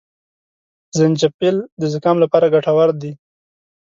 زنجپيل د زکام لپاره ګټور دي